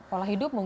pola hidup mungkin